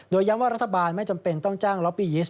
โดยย้ำว่ารัฐบาลไม่จำเป็นต้องจ้างล็อปปี้ยิสต